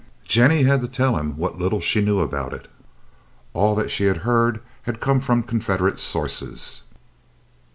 Jennie had to tell him what little she knew about it. All that she had heard had come from Confederate sources.